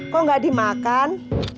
kok gak dimakan